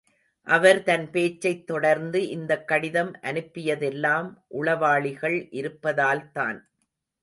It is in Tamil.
அவர் தன் பேச்சைத் தொடர்ந்து, இந்தக் கடிதம் அனுப்பியதெல்லாம் உளவாளிகள் இருப்பதால்தான்.